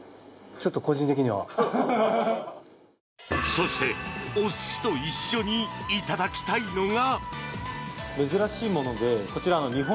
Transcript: そして、お寿司と一緒にいただきたいのが。